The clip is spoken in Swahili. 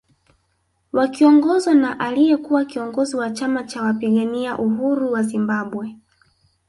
Wakiongozwa na aliyekuwa kiongozi wa chama cha wapigania uhuru wa Zimbabwe